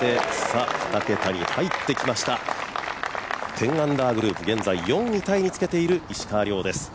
１０アンダーグループ、現在４位タイにつけている石川遼です。